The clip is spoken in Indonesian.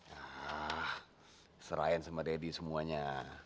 hah serahin sama daddy semuanya